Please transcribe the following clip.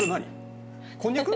こんにゃく？